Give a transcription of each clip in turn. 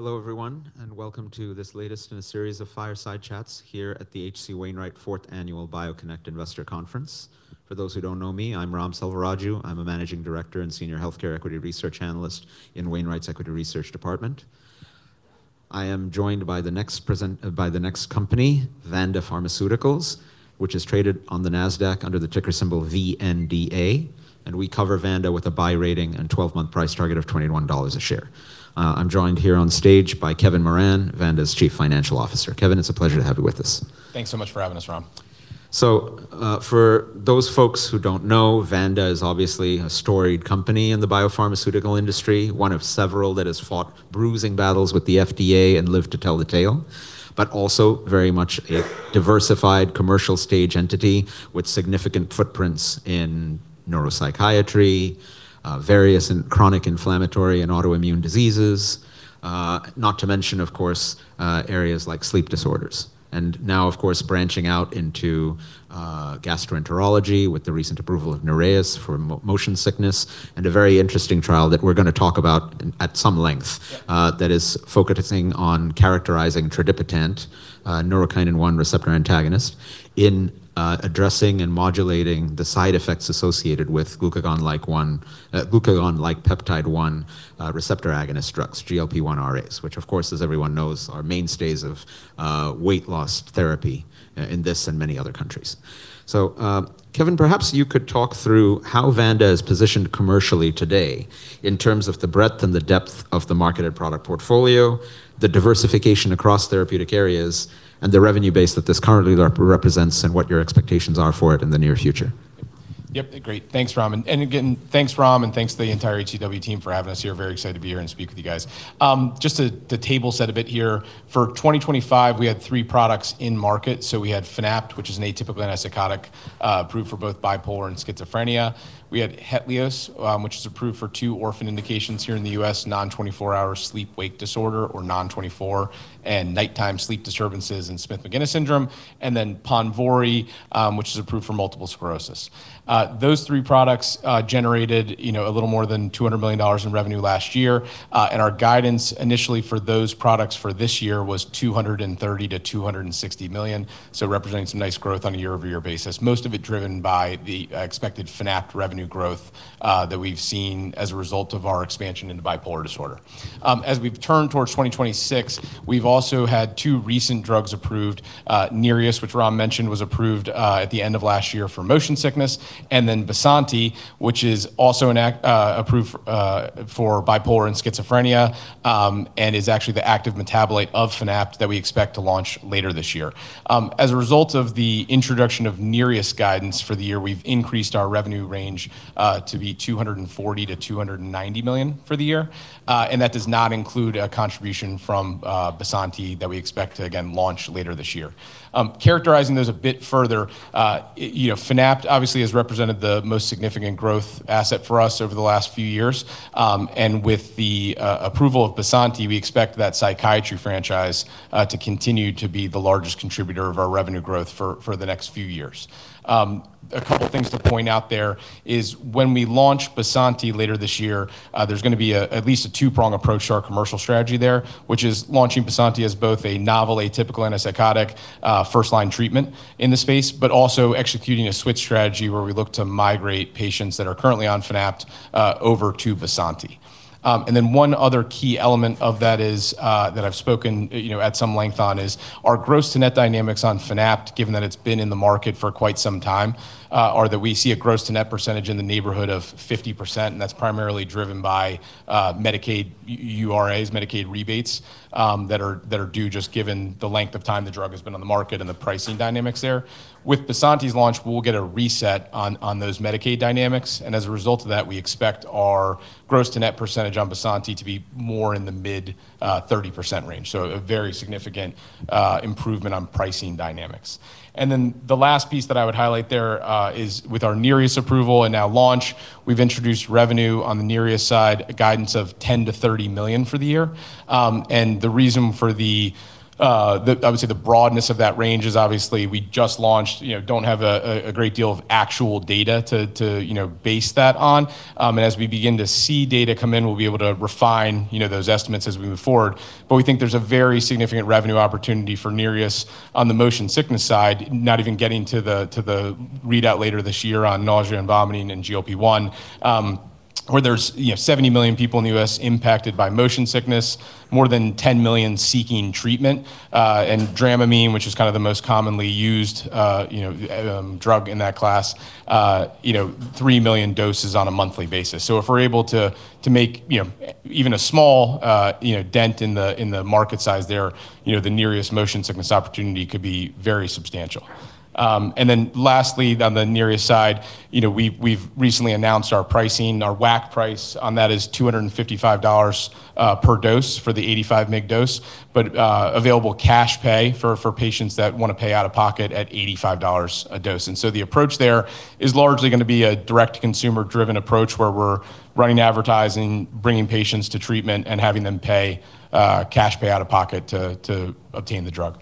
Hello everyone, and welcome to this latest in a series of fireside chats here at the H.C. Wainwright Fourth Annual BioConnect Investor Conference. For those who don't know me, I'm Ram Selvaraju. I'm a Managing Director and Senior Healthcare Equity Research Analyst in Wainwright's equity research department. I am joined by the next company, Vanda Pharmaceuticals, which is traded on the Nasdaq under the ticker symbol VNDA. We cover Vanda with a buy rating and 12-month price target of $21 a share. I'm joined here on stage by Kevin Moran, Vanda's Chief Financial Officer. Kevin, it's a pleasure to have you with us. Thanks so much for having us, Ram. For those folks who don't know, Vanda is obviously a storied company in the biopharmaceutical industry, one of several that has fought bruising battles with the FDA and lived to tell the tale, but also very much a diversified commercial stage entity with significant footprints in neuropsychiatry, various chronic inflammatory and autoimmune diseases, not to mention, of course, areas like sleep disorders. Now, of course, branching out into gastroenterology with the recent approval of NEREUS for motion sickness and a very interesting trial that we're gonna talk about at some length. Yeah That is focusing on characterizing tradipitant, neurokinin-1 receptor antagonist, in addressing and modulating the side effects associated with glucagon-like peptide 1 receptor agonist drugs, GLP-1 RAs, which of course, as everyone knows, are mainstays of weight loss therapy in this and many other countries. Kevin, perhaps you could talk through how Vanda is positioned commercially today in terms of the breadth and the depth of the marketed product portfolio, the diversification across therapeutic areas, and the revenue base that this currently represents and what your expectations are for it in the near future. Yep, great. Thanks, Ram, and again, thanks Ram, and thanks to the entire HCW team for having us here. Very excited to be here and speak with you guys. Just to the table set a bit here, for 2025, we had three products in market. We had Fanapt, which is an atypical antipsychotic, approved for both bipolar and schizophrenia. We had HETLIOZ, which is approved for two orphan indications here in the U.S., Non-24-Hour Sleep-Wake Disorder or Non-24, and nighttime sleep disturbances in Smith-Magenis syndrome, and then PONVORY, which is approved for multiple sclerosis. Those three products generated, you know, a little more than $200 million in revenue last year. Our guidance initially for those products for this year was $230 million-$260 million, so representing some nice growth on a year-over-year basis, most of it driven by the expected Fanapt revenue growth that we've seen as a result of our expansion into bipolar disorder. As we've turned towards 2026, we've also had two recent drugs approved. NEREUS, which Ram mentioned, was approved at the end of last year for motion sickness, and then BYSANTI, which is also approved for bipolar and schizophrenia, and is actually the active metabolite of Fanapt that we expect to launch later this year. As a result of the introduction of NEREUS guidance for the year, we've increased our revenue range to be $240 million-$290 million for the year, and that does not include a contribution from BYSANTI that we expect to again launch later this year. Characterizing those a bit further, you know, Fanapt obviously has represented the most significant growth asset for us over the last few years, and with the approval of BYSANTI, we expect that psychiatry franchise to continue to be the largest contributor of our revenue growth for the next few years. A couple things to point out there is when we launch BYSANTI later this year, there's gonna be at least a two-prong approach to our commercial strategy there, which is launching BYSANTI as both a novel atypical antipsychotic, first-line treatment in the space, but also executing a switch strategy where we look to migrate patients that are currently on Fanapt over to BYSANTI. One other key element of that is, that I've spoken, you know, at some length on, is our gross to net dynamics on Fanapt, given that it's been in the market for quite some time, are that we see a gross to net percentage in the neighborhood of 50%, and that's primarily driven by Medicaid URAs, Medicaid rebates, that are due just given the length of time the drug has been on the market and the pricing dynamics there. With BYSANTI's launch, we'll get a reset on those Medicaid dynamics, and as a result of that, we expect our gross to net percentage on BYSANTI to be more in the mid-30% range, so a very significant improvement on pricing dynamics. The last piece that I would highlight there is with our NEREUS approval and now launch, we've introduced revenue on the NEREUS side, a guidance of $10 million-$30 million for the year. The reason for the obviously the broadness of that range is obviously we just launched, you know, don't have a great deal of actual data to, you know, base that on. As we begin to see data come in, we'll be able to refine, you know, those estimates as we move forward. We think there's a very significant revenue opportunity for NEREUS on the motion sickness side, not even getting to the readout later this year on nausea and vomiting and GLP-1, where there's, you know, 70 million people in the U.S. impacted by motion sickness, more than 10 million seeking treatment, and Dramamine, which is kind of the most commonly used, you know, drug in that class, you know, 3 million doses on a monthly basis. If we're able to make, you know, even a small, you know, dent in the market size there, you know, the NEREUS motion sickness opportunity could be very substantial. Lastly, on the NEREUS side, you know, we've recently announced our pricing. Our WAC price on that is $255, per dose for the 85 mg dose, but, available cash pay for patients that wanna pay out of pocket at $85 a dose. The approach there is largely gonna be a direct consumer-driven approach where we're running advertising, bringing patients to treatment, and having them pay, cash pay out of pocket to obtain the drug.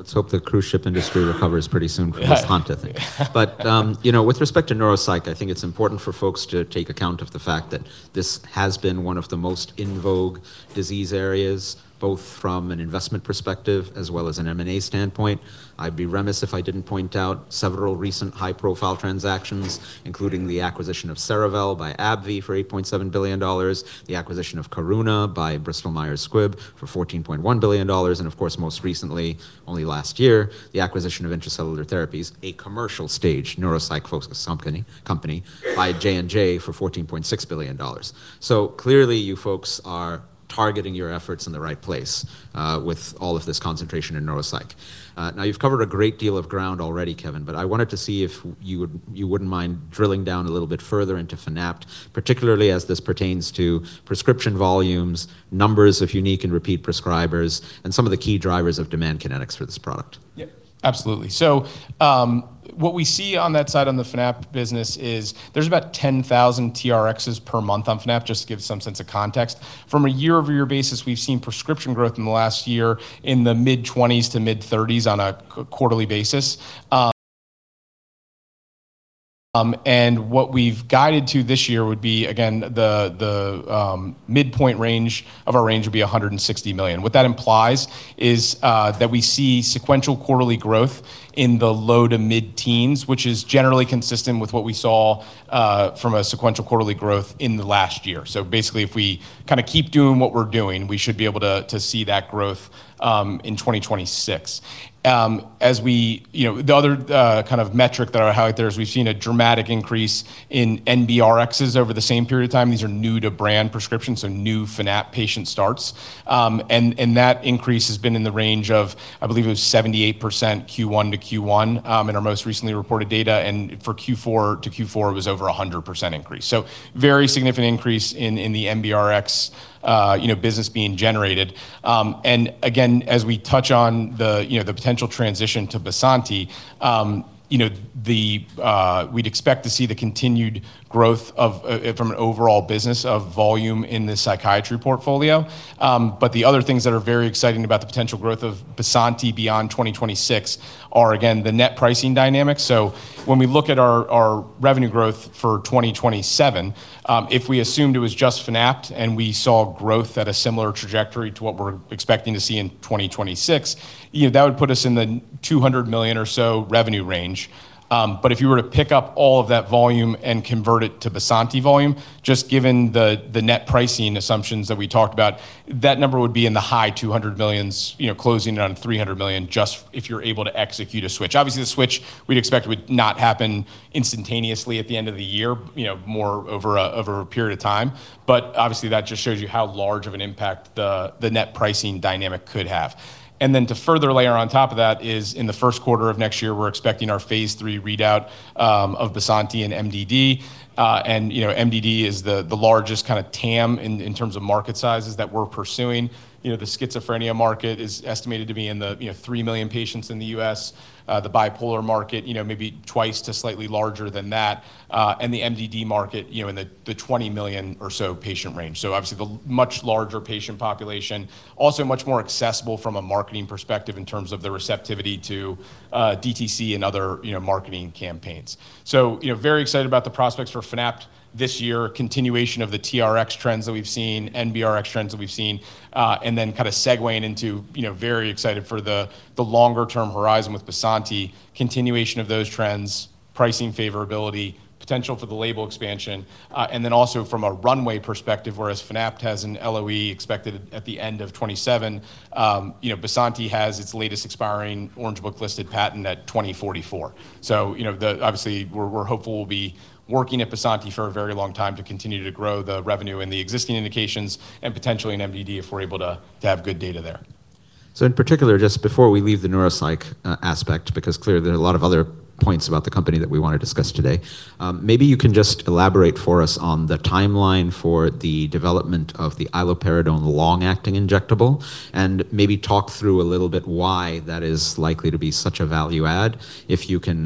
Let's hope the cruise ship industry recovers pretty soon for this hunt, I think. Yeah. You know, with respect to neuropsych, I think it's important for folks to take account of the fact that this has been one of the most in vogue disease areas, both from an investment perspective as well as an M&A standpoint. I'd be remiss if I didn't point out several recent high-profile transactions, including the acquisition of Cerevel by AbbVie for $8.7 billion, the acquisition of Karuna by Bristol Myers Squibb for $14.1 billion, most recently, only last year, the acquisition of Intra-Cellular Therapies, a commercial stage neuropsych company, by J&J for $14.6 billion. Clearly, you folks are targeting your efforts in the right place, with all of this concentration in neuropsych. Now, you've covered a great deal of ground already, Kevin, I wanted to see if you wouldn't mind drilling down a little bit further into Fanapt, particularly as this pertains to prescription volumes, numbers of unique and repeat prescribers, and some of the key drivers of demand kinetics for this product. Yep, absolutely. What we see on that side on the Fanapt business is there's about 10,000 TRx per month on Fanapt, just to give some sense of context. From a year-over-year basis, we've seen prescription growth in the last year in the mid-20s to mid-30s on a quarterly basis. What we've guided to this year would be, again, the midpoint range of our range would be $160 million. What that implies is that we see sequential quarterly growth in the low- to mid-teens, which is generally consistent with what we saw from a sequential quarterly growth in the last year. Basically, if we kinda keep doing what we're doing, we should be able to see that growth in 2026. As we you know, the other kind of metric that I would highlight there is we've seen a dramatic increase in NBRx over the same period of time. These are new-to-brand prescriptions, so new Fanapt patient starts. That increase has been in the range of, I believe it was 78% Q1 to Q1, in our most recently reported data. For Q4 to Q4, it was over a 100% increase. Very significant increase in the NBRx, you know, business being generated. Again, as we touch on the, you know, the potential transition to BYSANTI, you know, we'd expect to see the continued growth of from an overall business of volume in the psychiatry portfolio. The other things that are very exciting about the potential growth of BYSANTI beyond 2026 are, again, the net pricing dynamics. When we look at our revenue growth for 2027, if we assumed it was just Fanapt and we saw growth at a similar trajectory to what we're expecting to see in 2026, you know, that would put us in the $200 million or so revenue range. If you were to pick up all of that volume and convert it to BYSANTI volume, just given the net pricing assumptions that we talked about, that number would be in the high $200 millions, you know, closing in on $300 million, just if you're able to execute a switch. Obviously, the switch we'd expect would not happen instantaneously at the end of the year, you know, more over a, over a period of time. Obviously, that just shows you how large of an impact the net pricing dynamic could have. To further layer on top of that is in the first quarter of next year, we're expecting our phase III readout of BYSANTI and MDD. You know, MDD is the largest kinda TAM in terms of market sizes that we're pursuing. You know, the schizophrenia market is estimated to be in the, you know, 3 million patients in the U.S. The bipolar market, you know, maybe twice to slightly larger than that. The MDD market, you know, in the 20 million or so patient range. Obviously, the much larger patient population, also much more accessible from a marketing perspective in terms of the receptivity to DTC and other, you know, marketing campaigns. You know, very excited about the prospects for Fanapt this year, continuation of the TRX trends that we've seen, NBRX trends that we've seen, and then kinda segue into, you know, very excited for the longer term horizon with BYSANTI, continuation of those trends, pricing favorability, potential for the label expansion. Also from a runway perspective, whereas Fanapt has an LOE expected at the end of 2027, you know, BYSANTI has its latest expiring Orange Book-listed patent at 2044. You know, obviously, we're hopeful we'll be working at BYSANTI for a very long time to continue to grow the revenue in the existing indications and potentially in MDD if we're able to have good data there. In particular, just before we leave the neuropsych aspect, because clearly there are a lot of other points about the company that we wanna discuss today, maybe you can just elaborate for us on the timeline for the development of the iloperidone long-acting injectable, and maybe talk through a little bit why that is likely to be such a value add if you can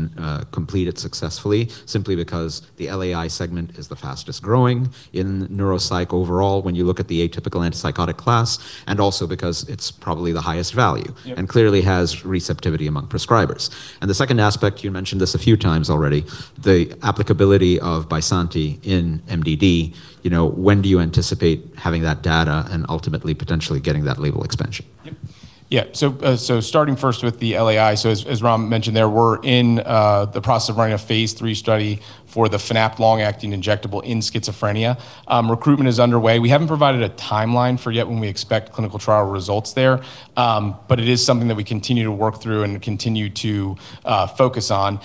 complete it successfully, simply because the LAI segment is the fastest-growing in neuropsych overall when you look at the atypical antipsychotic class, and also because it's probably the highest value. Yeah Clearly has receptivity among prescribers. The second aspect, you mentioned this a few times already, the applicability of BYSANTI in MDD. You know, when do you anticipate having that data and ultimately potentially getting that label expansion? Yep. Yeah. Starting first with the LAI. As Ram mentioned there, we're in the process of running a phase III study for the Fanapt long-acting injectable in schizophrenia. Recruitment is underway. We haven't provided a timeline for yet when we expect clinical trial results there, it is something that we continue to work through and continue to focus on.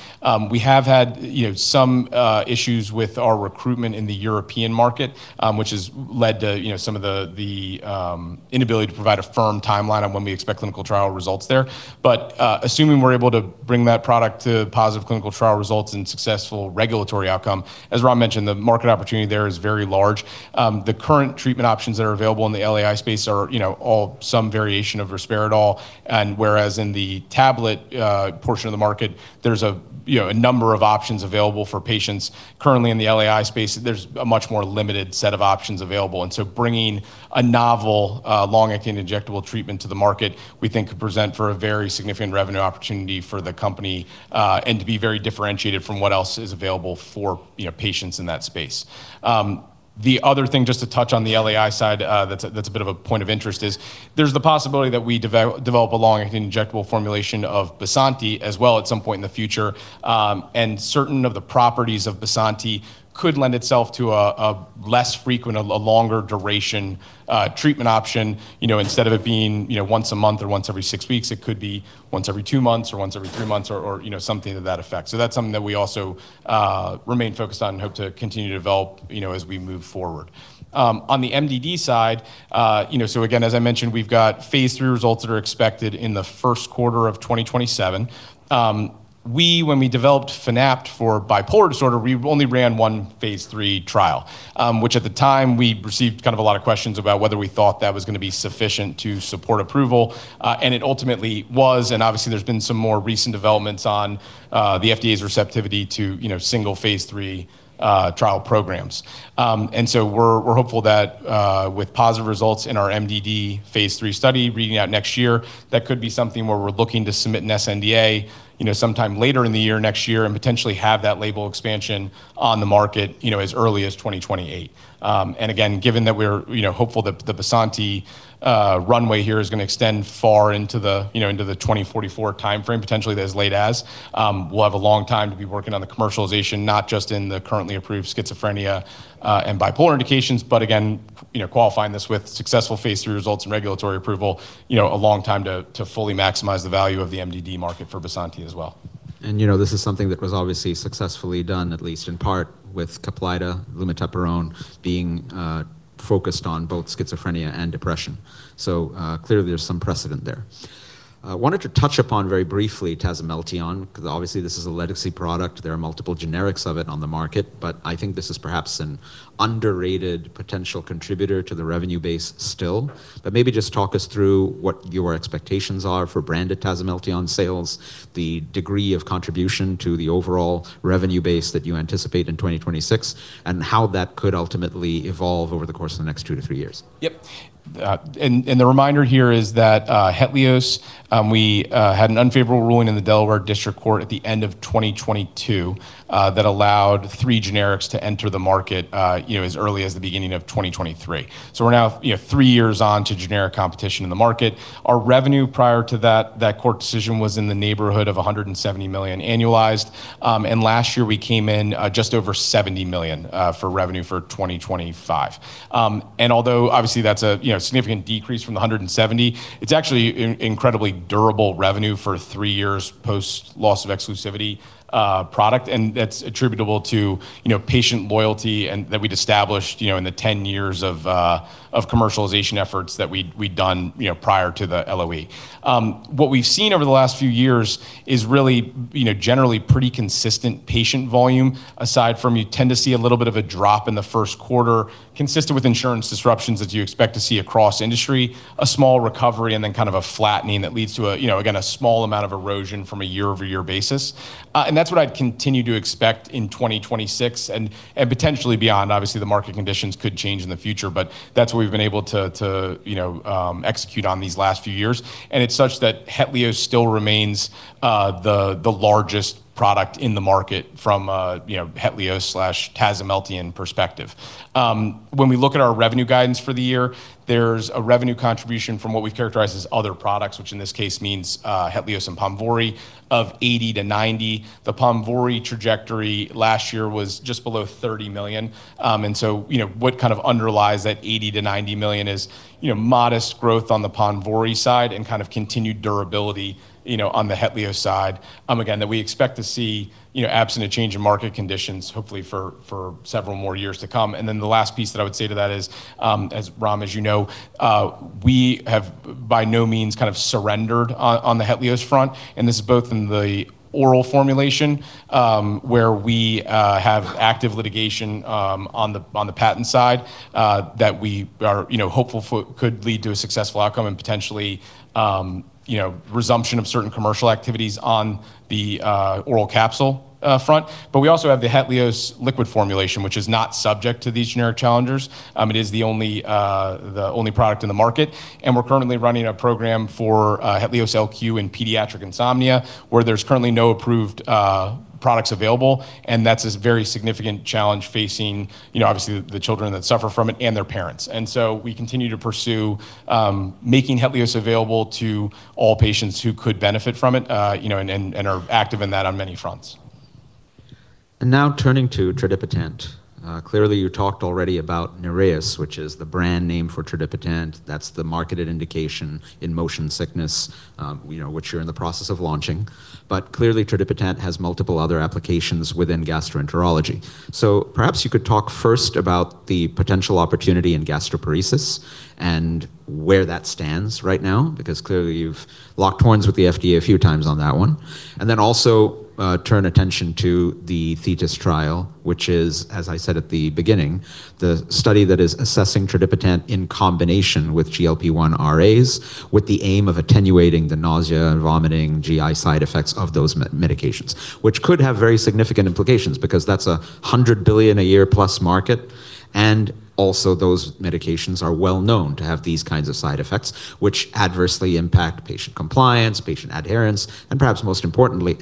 We have had, you know, some issues with our recruitment in the European market, which has led to, you know, some of the inability to provide a firm timeline on when we expect clinical trial results there. Assuming we're able to bring that product to positive clinical trial results and successful regulatory outcome, as Ram mentioned, the market opportunity there is very large. The current treatment options that are available in the LAI space are, you know, all some variation of risperidone. Whereas in the tablet portion of the market, there's a, you know, a number of options available for patients. Currently in the LAI space, there's a much more limited set of options available. Bringing a novel long-acting injectable treatment to the market, we think could present for a very significant revenue opportunity for the company, and to be very differentiated from what else is available for, you know, patients in that space. The other thing just to touch on the LAI side, that's a bit of a point of interest is there's the possibility that we develop a long-acting injectable formulation of BYSANTI as well at some point in the future, and certain of the properties of BYSANTI could lend itself to a less frequent, a longer duration, treatment option. You know, instead of it being, you know, once a month or once every six weeks, it could be once every two months or once every three months or, you know, something to that effect. That's something that we also remain focused on and hope to continue to develop, you know, as we move forward. On the MDD side, you know, again, as I mentioned, we've got phase III results that are expected in the first quarter of 2027. When we developed Fanapt for bipolar disorder, we only ran one phase III trial, which at the time we received kind of a lot of questions about whether we thought that was gonna be sufficient to support approval, it ultimately was, obviously there's been some more recent developments on the FDA's receptivity to, you know, single phase III, trial programs. We're hopeful that, with positive results in our MDD phase III study reading out next year, that could be something where we're looking to submit an sNDA, you know, sometime later in the year next year and potentially have that label expansion on the market, you know, as early as 2028. Given that we're, you know, hopeful that the BYSANTI runway here is gonna extend far into the, you know, into the 2044 timeframe, potentially as late as, we'll have a long time to be working on the commercialization, not just in the currently approved schizophrenia and bipolar indications, but again, you know, qualifying this with successful phase III results and regulatory approval, you know, a long time to fully maximize the value of the MDD market for BYSANTI as well. You know, this is something that was obviously successfully done at least in part with CAPLYTA, lumateperone, being focused on both schizophrenia and depression. Clearly there's some precedent there. I wanted to touch upon very briefly tasimelteon 'cause obviously this is a legacy product. There are multiple generics of it on the market, but I think this is perhaps an underrated potential contributor to the revenue base still. Maybe just talk us through what your expectations are for branded tasimelteon sales, the degree of contribution to the overall revenue base that you anticipate in 2026, and how that could ultimately evolve over the course of the next two-three years. Yep. And the reminder here is that HETLIOZ, we had an unfavorable ruling in the Delaware District Court at the end of 2022 that allowed three generics to enter the market, you know, as early as the beginning of 2023. We're now, you know, three years on to generic competition in the market. Our revenue prior to that court decision was in the neighborhood of $170 million annualized. Last year we came in just over $70 million for revenue for 2025. Although obviously that's a, you know, significant decrease from the $170, it's actually incredibly durable revenue for three years post loss of exclusivity product, and that's attributable to, you know, patient loyalty and that we'd established, you know, in the 10 years of commercialization efforts that we'd done, you know, prior to the LOE. What we've seen over the last few years is really, you know, generally pretty consistent patient volume, aside from you tend to see a little bit of a drop in the first quarter consistent with insurance disruptions that you expect to see across industry, a small recovery, and then kind of a flattening that leads to a, you know, again, a small amount of erosion from a year-over-year basis. That's what I'd continue to expect in 2026 and potentially beyond. Obviously, the market conditions could change in the future, that's what we've been able to, you know, execute on these last few years. It's such that HETLIOZ still remains the largest product in the market from, you know, HETLIOZ/tasimelteon perspective. When we look at our revenue guidance for the year, there's a revenue contribution from what we've characterized as other products, which in this case means HETLIOZ and PONVORY of $80 million-$90 million. The PONVORY trajectory last year was just below $30 million. What kind of underlies that $80 million-$90 million is, you know, modest growth on the PONVORY side and kind of continued durability, you know, on the HETLIOZ side, again, that we expect to see, you know, absent a change in market conditions hopefully for several more years to come. Then the last piece that I would say to that is, as Ram, as you know, we have by no means kind of surrendered on the HETLIOZ front, and this is both in the oral formulation, where we have active litigation on the patent side, that we are, you know, hopeful for could lead to a successful outcome and potentially, resumption of certain commercial activities on the oral capsule front. We also have the HETLIOZ liquid formulation, which is not subject to these generic challengers. It is the only, the only product in the market, and we're currently running a program for HETLIOZ LQ in pediatric insomnia where there's currently no approved products available, and that's this very significant challenge facing, you know, obviously the children that suffer from it and their parents. We continue to pursue making HETLIOZ available to all patients who could benefit from it, you know, and are active in that on many fronts. Now turning to tradipitant. Clearly you talked already about NEREUS, which is the brand name for tradipitant. That's the marketed indication in motion sickness, you know, which you're in the process of launching. Clearly tradipitant has multiple other applications within gastroenterology. Perhaps you could talk first about the potential opportunity in gastroparesis and where that stands right now, because clearly you've locked horns with the FDA a few times on that one. Also, turn attention to the THETIS trial, which is, as I said at the beginning, the study that is assessing tradipitant in combination with GLP-1 RA with the aim of attenuating the nausea and vomiting GI side effects of those medications, which could have very significant implications because that's a $100 billion a year-plus market, and also those medications are well known to have these kinds of side effects which adversely impact patient compliance, patient adherence, and perhaps most importantly,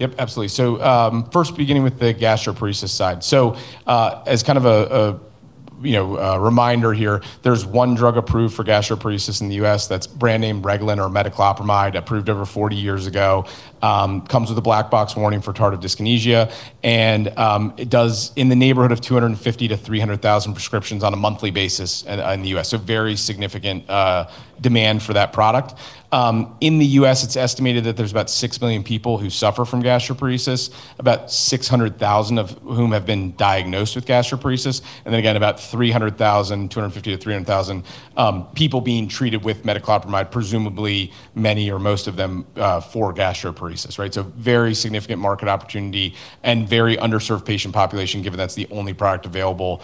efficacy. Yep, absolutely. First beginning with the gastroparesis side. As kind of a, you know, a reminder here, there's one drug approved for gastroparesis in the U.S. that's brand name Reglan or metoclopramide, approved over 40 years ago, comes with a black box warning for tardive dyskinesia. It does in the neighborhood of $250,000-$300,000 prescriptions on a monthly basis in the U.S. Very significant demand for that product. In the U.S., it's estimated that there's about 6 million people who suffer from gastroparesis, about 600,000 of whom have been diagnosed with gastroparesis. Again, about $250,000-$300,000 people being treated with metoclopramide, presumably many or most of them for gastroparesis, right? Very significant market opportunity and very underserved patient population, given that's the only product available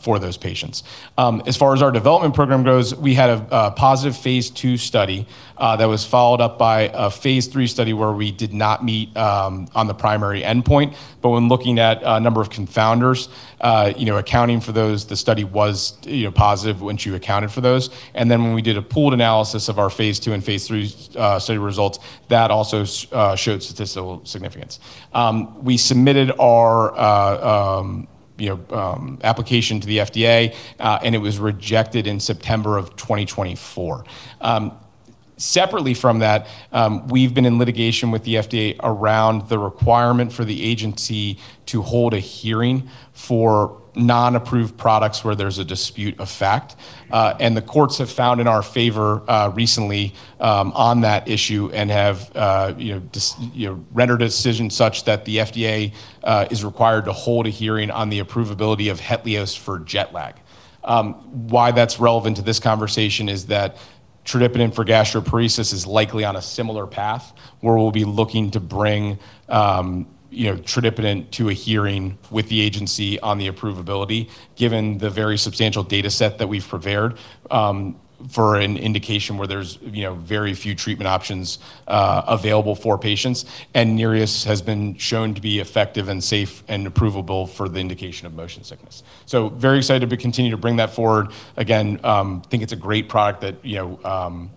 for those patients. As far as our development program goes, we had a positive phase II study that was followed up by a phase III study where we did not meet on the primary endpoint. When looking at a number of confounders, you know, accounting for those, the study was, you know, positive once you accounted for those. When we did a pooled analysis of our phase II and phase III study results, that also showed statistical significance. We submitted our application to the FDA and it was rejected in September of 2024. Separately from that, we've been in litigation with the FDA around the requirement for the agency to hold a hearing for non-approved products where there's a dispute of fact. The courts have found in our favor, recently, on that issue and have, you know, rendered a decision such that the FDA is required to hold a hearing on the approvability of HETLIOZ for jet lag. Why that's relevant to this conversation is that tradipitant for gastroparesis is likely on a similar path where we'll be looking to bring, you know, tradipitant to a hearing with the agency on the approvability, given the very substantial data set that we've prepared, for an indication where there's, you know, very few treatment options available for patients. NEREUS has been shown to be effective and safe and approvable for the indication of motion sickness. Very excited to continue to bring that forward. Again, think it's a great product that, you know,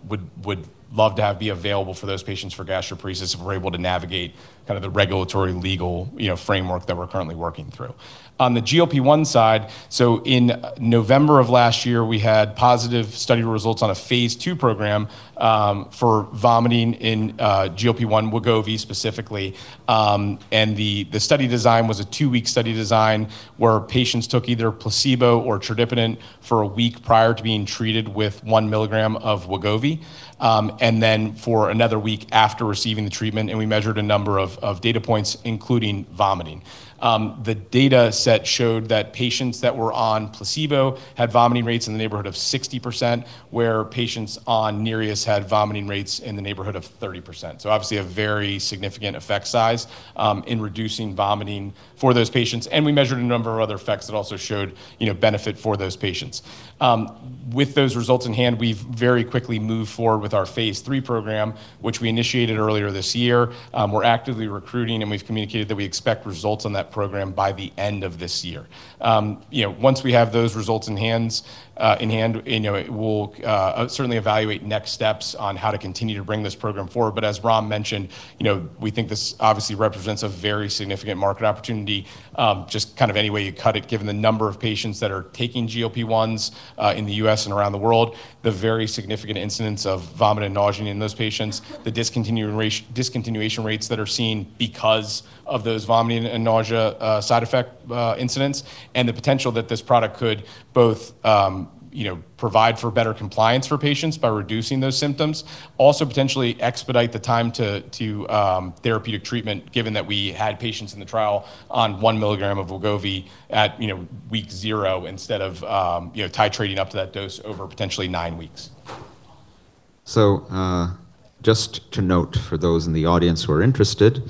would love to have be available for those patients for gastroparesis if we're able to navigate kind of the regulatory legal, you know, framework that we're currently working through. On the GLP-1 side, in November of last year, we had positive study results on a Phase II program for vomiting in GLP-1 Wegovy specifically. The study design was a two-week study design where patients took either placebo or tradipitant for a week prior to being treated with 1 mg of Wegovy, and then for another week after receiving the treatment, and we measured a number of data points, including vomiting. The data set showed that patients that were on placebo had vomiting rates in the neighborhood of 60%, where patients on NEREUS had vomiting rates in the neighborhood of 30%. Obviously a very significant effect size in reducing vomiting for those patients. We measured a number of other effects that also showed, you know, benefit for those patients. With those results in hand, we've very quickly moved forward with our phase III program, which we initiated earlier this year. We're actively recruiting, and we've communicated that we expect results on that program by the end of this year. You know, once we have those results in hand, you know, we'll certainly evaluate next steps on how to continue to bring this program forward. As Ram mentioned, you know, we think this obviously represents a very significant market opportunity, just kind of any way you cut it, given the number of patients that are taking GLP-1s in the U.S. and around the world, the very significant incidence of vomit and nausea in those patients, the discontinuation rates that are seen because of those vomiting and nausea side effect incidents, and the potential that this product could both, you know, provide for better compliance for patients by reducing those symptoms. Also potentially expedite the time to therapeutic treatment, given that we had patients in the trial on 1 mg of Wegovy at, you know, week zero instead of, you know, titrating up to that dose over potentially nine weeks. Just to note for those in the audience who are interested,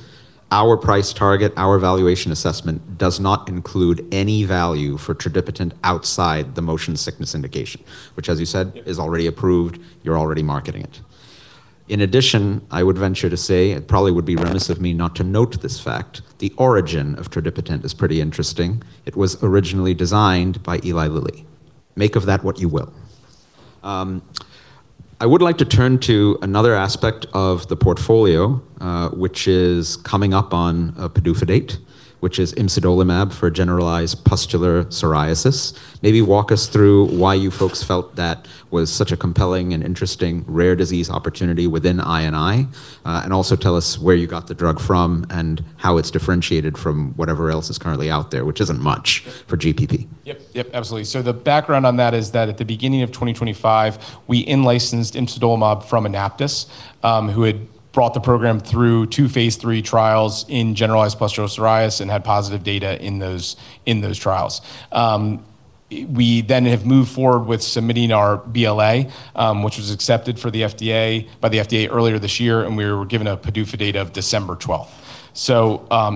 our price target, our valuation assessment does not include any value for tradipitant outside the motion sickness indication. Yep Which as you said, is already approved, you're already marketing it. In addition, I would venture to say, it probably would be remiss of me not to note this fact, the origin of tradipitant is pretty interesting. It was originally designed by Eli Lilly. Make of that what you will. I would like to turn to another aspect of the portfolio, which is coming up on PDUFA date, which is imsidolimab for generalized pustular psoriasis. Maybe walk us through why you folks felt that was such a compelling and interesting rare disease opportunity within INI, and also tell us where you got the drug from and how it's differentiated from whatever else is currently out there, which isn't much for GPP. Yep. Yep, absolutely. The background on that is that at the beginning of 2025, we in-licensed imsidolimab from Anaptys, who had brought the program through two phase III trials in generalized pustular psoriasis and had positive data in those trials. We have moved forward with submitting our BLA, which was accepted for the FDA, by the FDA earlier this year, and we were given a PDUFA date of December 12th.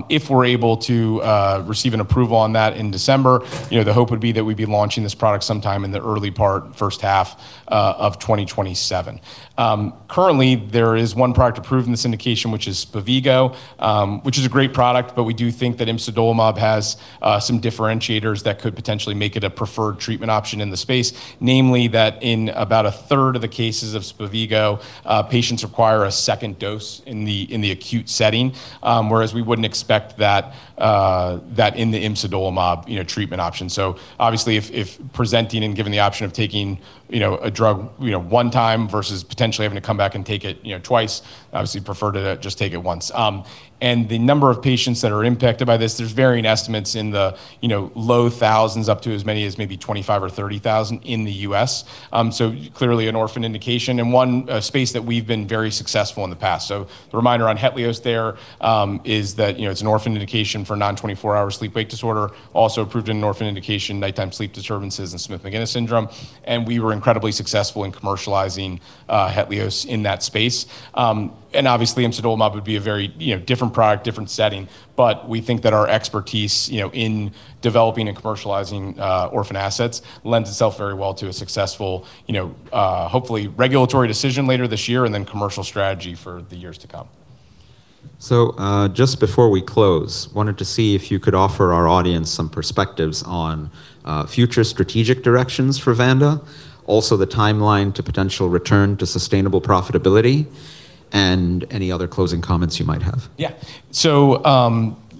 If we're able to receive an approval on that in December, you know, the hope would be that we'd be launching this product sometime in the early part, first half, of 2027. Currently, there is one product approved in this indication, which is SPEVIGO, which is a great product, but we do think that imsidolimab has some differentiators that could potentially make it a preferred treatment option in the space. Namely that in about a third of the cases of SPEVIGO, patients require a second dose in the acute setting, whereas we wouldn't expect that in the imsidolimab, you know, treatment option. Obviously, if presenting and given the option of taking, you know, a drug, you know, one time versus potentially having to come back and take it, you know, twice, obviously prefer to just take it one time. And the number of patients that are impacted by this, there's varying estimates in the, you know, low thousands, up to as many as maybe 25,000 or 30,000 in the U.S. Clearly an orphan indication and one space that we've been very successful in the past. The reminder on HETLIOZ there, you know, is that it's an orphan indication for Non-24-Hour Sleep-Wake Disorder, also approved in an orphan indication nighttime sleep disturbances and Smith-Magenis Syndrome. We were incredibly successful in commercializing HETLIOZ in that space. Obviously imsidolimab would be a very, you know, different product, different setting, but we think that our expertise, you know, in developing and commercializing orphan assets lends itself very well to a successful, you know, hopefully regulatory decision later this year and then commercial strategy for the years to come. Just before we close, wanted to see if you could offer our audience some perspectives on future strategic directions for Vanda, also the timeline to potential return to sustainable profitability, and any other closing comments you might have. Yeah.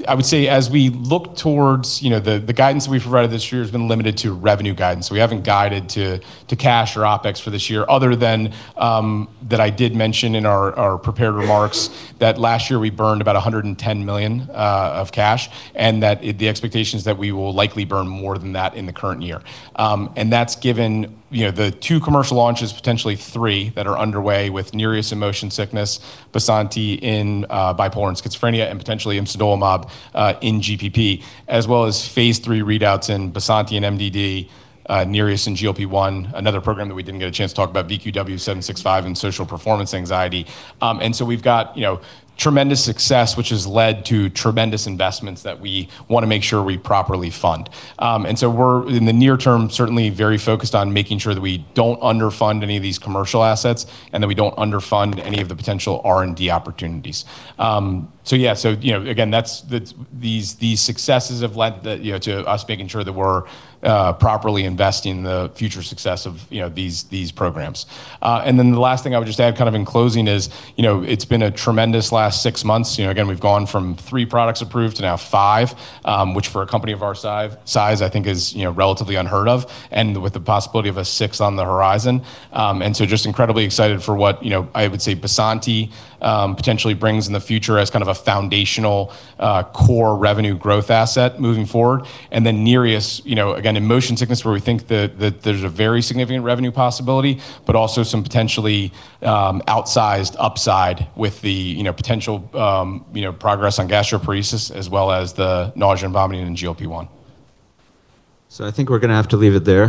I would say as we look towards, you know, the guidance we've provided this year has been limited to revenue guidance. We haven't guided to cash or OpEx for this year other than that I did mention in our prepared remarks that last year we burned about $110 million of cash and that the expectation is that we will likely burn more than that in the current year. And that's given, you know, the two commercial launches, potentially three, that are underway with NEREUS in motion sickness, BYSANTI in bipolar and schizophrenia, and potentially imsidolimab in GPP, as well as phase III readouts in BYSANTI and MDD, NEREUS in GLP-1, another program that we didn't get a chance to talk about, VQW-765 in social performance anxiety. We've got, you know, tremendous success, which has led to tremendous investments that we want to make sure we properly fund. We're in the near term certainly very focused on making sure that we don't underfund any of these commercial assets and that we don't underfund any of the potential R&D opportunities. You know, again, these successes have led to us making sure that we're properly investing the future success of, you know, these programs. The last thing I would just add kind of in closing is, you know, it's been a tremendous last six months. You know, again, we've gone from three products approved to now five, which for a company of our size I think is, you know, relatively unheard of and with the possibility of a sixth on the horizon. Just incredibly excited for what, you know, I would say BYSANTI potentially brings in the future as kind of a foundational, core revenue growth asset moving forward. NEREUS, you know, again, in motion sickness where we think that there's a very significant revenue possibility but also some potentially outsized upside with the, you know, potential progress on gastroparesis as well as the nausea and vomiting in GLP-1. I think we're gonna have to leave it there.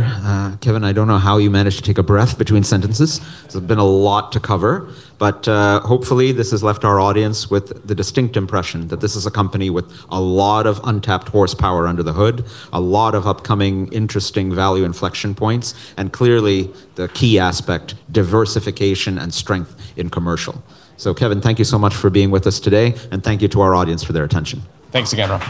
Kevin, I don't know how you managed to take a breath between sentences. It's been a lot to cover, but, hopefully this has left our audience with the distinct impression that this is a company with a lot of untapped horsepower under the hood, a lot of upcoming interesting value inflection points, and clearly the key aspect, diversification and strength in commercial. Kevin, thank you so much for being with us today, and thank you to our audience for their attention. Thanks again, Ram.